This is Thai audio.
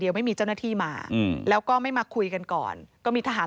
ไม่มีเจ้าหน้าที่มาอืมแล้วก็ไม่มาคุยกันก่อนก็มีทหาร